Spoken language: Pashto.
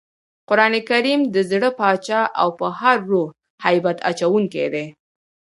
قرانکریم د زړه باچا او پر روح هیبت اچوونکی دئ.